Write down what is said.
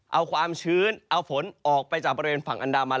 เอาความชื้นเอาฝนออกไปจากบริเวณฝั่งอันดามัน